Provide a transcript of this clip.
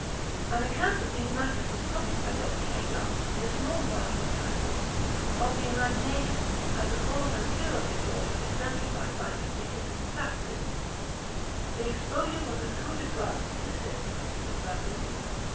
An account of these matters was published by Dr. Haygarth, in a small volume entitled, Of the Imagination, as a Cause and Cure of Disorders, exemplified by fictitious Tractors. The exposure was a coup de grace to the system of Mr. Perkins.